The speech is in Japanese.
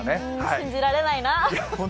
信じられないな。